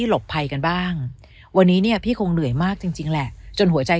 หลบภัยกันบ้างวันนี้เนี่ยพี่คงเหนื่อยมากจริงจริงแหละจนหัวใจ